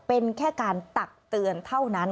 เป็นแค่การตักเตือนเท่านั้น